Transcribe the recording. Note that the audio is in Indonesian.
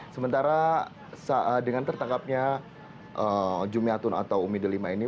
sementara dengan tertangkapnya jumiatun atau umi delima ini